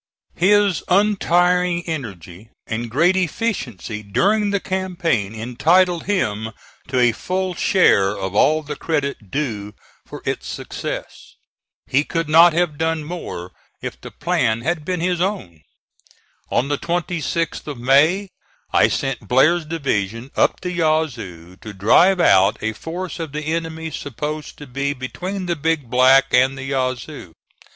His untiring energy and great efficiency during the campaign entitle him to a full share of all the credit due for its success. He could not have done more if the plan had been his own. (*13) On the 26th of May I sent Blair's division up the Yazoo to drive out a force of the enemy supposed to be between the Big Black and the Yazoo.